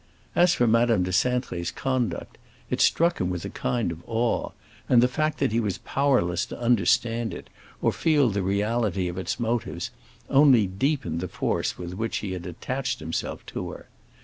As for Madame de Cintré's conduct, it struck him with a kind of awe, and the fact that he was powerless to understand it or feel the reality of its motives only deepened the force with which he had attached himself to her.